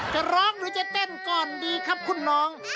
จะร้องหรือจะเต้นก่อนดีครับคุณน้อง